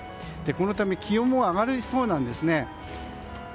このため、気温も上がりそうなんですね。